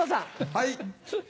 はい。